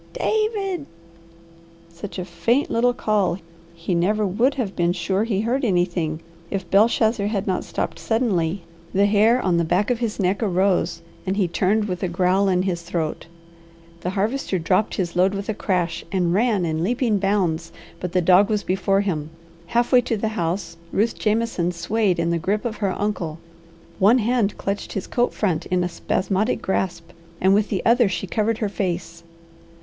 "David!" Such a faint little call he never would have been sure he heard anything if Belshazzar had not stopped suddenly. The hair on the back of his neck arose and he turned with a growl in his throat. The Harvester dropped his load with a crash and ran in leaping bounds, but the dog was before him. Half way to the house, Ruth Jameson swayed in the grip of her uncle. One hand clutched his coat front in a spasmodic grasp, and with the other she covered her face.